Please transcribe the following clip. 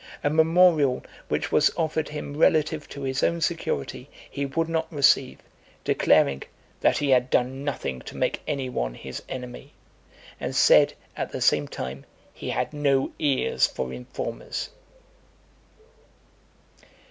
A memorial which was offered him relative to his own security, he would not receive, declaring, "that he had done nothing to make any one his enemy:" and said, at the same time, "he had no ears for informers."